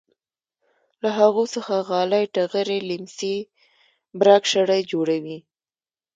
له هغو څخه غالۍ ټغرې لیمڅي برک شړۍ جوړوي.